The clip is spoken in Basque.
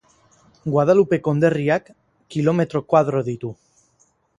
Guadalupe konderriak kilometro koadro ditu.